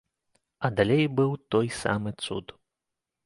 А далей быў той самы цуд.